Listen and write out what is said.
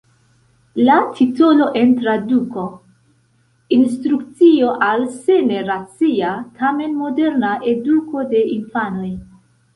La titolo en traduko: "Instrukcio al se ne racia tamen moderna eduko de infanoj".